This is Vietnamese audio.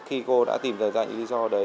khi cô đã tìm ra những lý do đấy